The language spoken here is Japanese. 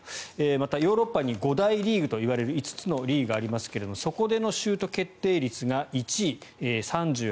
また、ヨーロッパに五大リーグといわれる５つのリーグがありますがそこでのシュート決定率が１位。